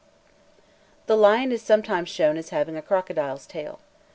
The Lion is sometimes shown as having a crocodile's tail.